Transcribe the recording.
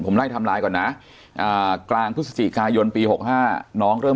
ผมได้ทำไลน์ก่อนนะอ่ากลางพฤศจิกายนปีหกห้าน้องเริ่ม